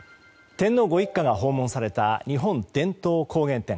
天皇ご一家が訪問された日本伝統工芸展。